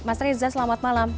mas reza selamat malam